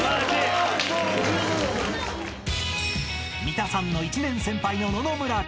［三田さんの１年先輩の野々村君］